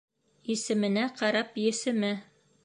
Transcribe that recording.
Исеменә ҡарап есеме.